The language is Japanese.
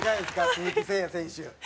鈴木誠也選手。